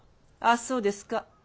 ああそうですか。